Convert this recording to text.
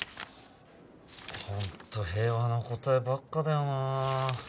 ホント平和な答えばっかだよな